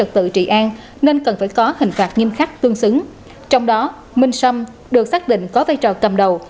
trong đó minh sâm được xác định có vai trò cầm đầu